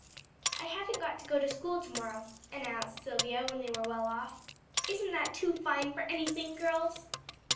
"I haven't got to go to school to morrow," announced Silvia when they were well off. "Isn't that too fine for anything, girls?"